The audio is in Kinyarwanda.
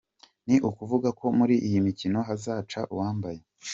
Ni ukuvuga ko muri iyi mikino hazaca uwambaye.